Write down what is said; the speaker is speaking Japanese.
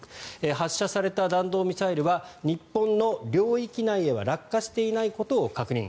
発射された弾道ミサイルは日本の領域内へは落下していないことを確認